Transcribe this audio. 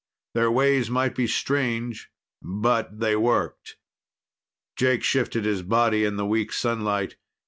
Their ways might be strange; but they worked. Jake shifted his body in the weak sunlight.